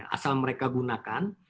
asal mereka gunakan